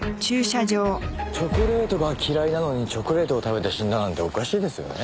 チョコレートが嫌いなのにチョコレートを食べて死んだなんておかしいですよね。